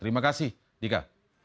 terima kasih dika